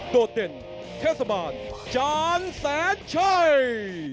โดดเด่นเทศบาลจานแสนชัย